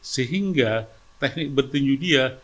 sehingga teknik petinju dia